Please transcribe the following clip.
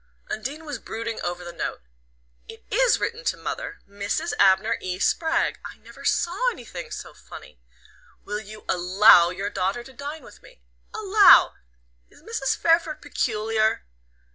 Undine was brooding over the note. "It IS written to mother Mrs. Abner E. Spragg I never saw anything so funny! 'Will you ALLOW your daughter to dine with me?' Allow! Is Mrs. Fairford peculiar?"